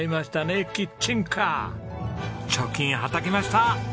貯金はたきました！